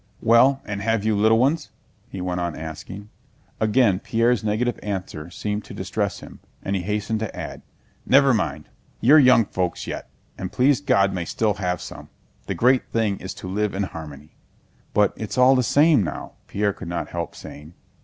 "Well, and have you little ones?" he went on asking. Again Pierre's negative answer seemed to distress him, and he hastened to add: "Never mind! You're young folks yet, and please God may still have some. The great thing is to live in harmony...." "But it's all the same now," Pierre could not help saying.